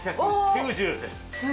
４９０です。